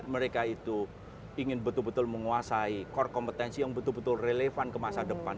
mereka itu ingin betul betul menguasai core kompetensi yang betul betul relevan ke masa depan